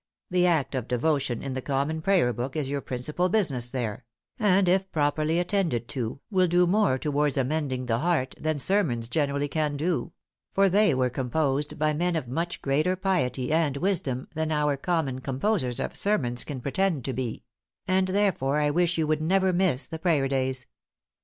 The act of devotion in the common prayer book is your principal business there; and if properly attended to, will do more towards amending the heart than sermons generally can do; for they were composed by men of much greater piety and wisdom than our common composers of sermons can pretend to be; and therefore I wish you would never miss the prayer days.